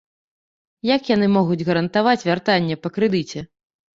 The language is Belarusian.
Як яны могуць гарантаваць вяртанне па крэдыце?